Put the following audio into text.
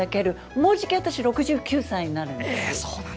もうじき私６９歳になるんです。